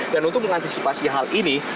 dan untuk mengantisipasi hal ini